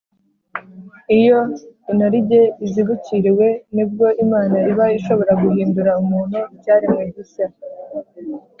iyo inarijye izibukiriwe nibwo imana iba ishobora guhindura umuntu icyaremwe gishya